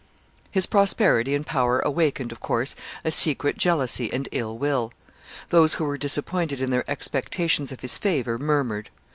] His prosperity and power awakened, of course, a secret jealousy and ill will. Those who were disappointed in their expectations of his favor murmured.